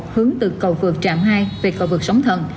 hướng từ cầu vượt trạm hai về cầu vượt sống thần